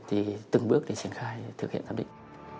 thì từng bước thì triển khai thực hiện giám định